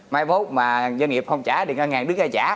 mai vốn mà doanh nghiệp không trả thì ngân hàng đứng ra trả